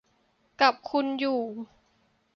กับคุณอยู่